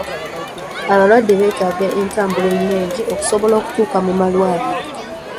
Abalwadde beetaaga entambula ennungi okusobola okutuuka mu malwaliro.